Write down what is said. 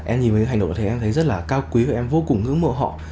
em nhìn với những hành động đó thì em thấy rất là cao quý và em vô cùng ước mộ họ